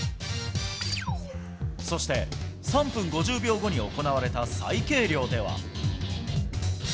そして３分５０秒後に行われた再計量では。